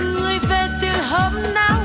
người về từ hôm nắng